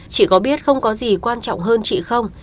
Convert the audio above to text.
chỉ có biết không có gì quan trọng hơn chị không